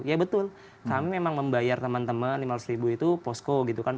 ya betul kami memang membayar teman teman lima ratus ribu itu posko gitu kan